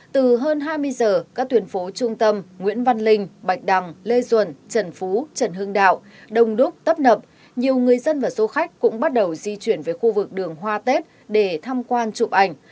từ hơn hai mươi giờ các tuyển phố trung tâm nguyễn văn linh bạch đằng lê duẩn trần phú trần hưng đạo đông đúc tấp nập nhiều người dân và du khách cũng bắt đầu di chuyển về khu vực đường hoa tết để tham quan chụp ảnh